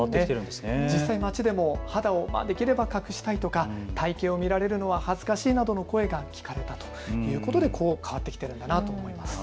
実際、街でも肌をできれば隠したいとか体型を見られるのは恥ずかしいなどの声が聞かれたということで変わってきているんだと思います。